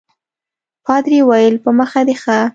پادري وویل په مخه دي ښه.